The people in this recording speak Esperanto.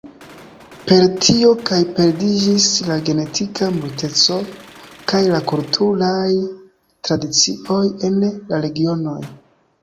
Per tio kaj perdiĝis la genetika multeco kaj la kulturaj tradicioj en la regionoj.